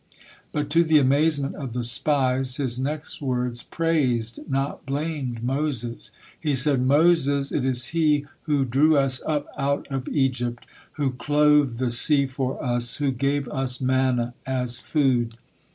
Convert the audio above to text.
But to the amazement of the spies, his next words praised, not blamed, Moses. He said: "Moses it is he who drew us up out of Egypt, who clove the sea for us, who gave us manna as food."